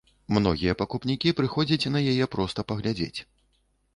Многія пакупнікі прыходзяць на яе проста паглядзець.